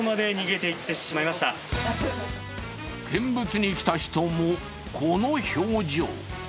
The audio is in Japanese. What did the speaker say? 見物に来た人もこの表情。